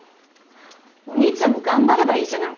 お兄ちゃんも頑張ればいいじゃない。